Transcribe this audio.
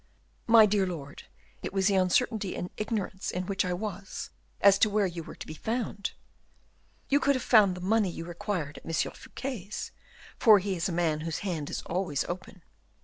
"My dear lord, it was the uncertainty and ignorance in which I was as to where you were to be found." "You would have found the money you require at M. Fouquet's, for he is a man whose hand is always open."